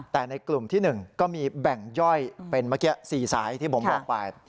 แต่ในกลุ่มที่๑ก็มีแบ่งย่อยเป็นเมื่อกี้๔สายที่ผมบอกไป